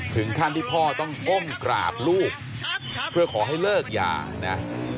ถึงขั้นที่พ่อต้องก้มกราบลูกเพื่อขอให้เลิกยานะ